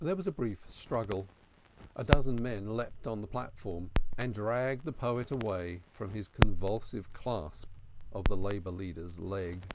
There was a brief struggle. A dozen men leaped on the platform and dragged the poet away from his convulsive clasp of the labor leader's leg.